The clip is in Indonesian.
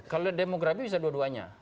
kalau demografi bisa dua duanya